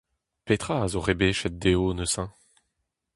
Petra a zo rebechet dezho neuze ?